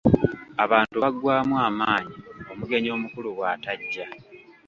Abantu baggwamu amaanyi omugenyi omukulu bw'atajja.